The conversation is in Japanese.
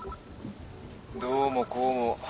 どうもこうも。